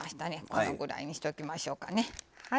このぐらいにしときましょうかね。